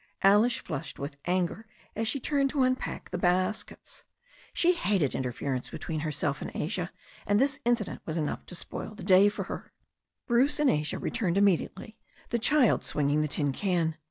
Alice flushed with anger as she turned to unpack the baskets. She hated interference between her self and Asia, and this incident was enough to spoil the day for her. Bruce and Asia returned immediately, the child swinging the tin can.